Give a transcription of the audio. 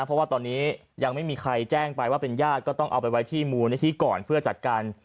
เพราะว่าตอนนี้ยังไม่มีใครแจ้งไปว่าเป็นญาติก็ต้องเอาไปไว้ที่มูลนิธิก่อนเพื่อจัดการ